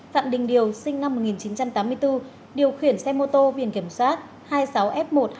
phạm đình điều sinh năm một nghìn chín trăm tám mươi bốn điều khiển xe mô tô viện kiểm soát hai mươi sáu f một mươi hai nghìn sáu trăm tám mươi bảy